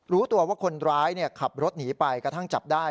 รู้ตัวว่าคนร้ายขับรถหนีไปกระทั่งจับได้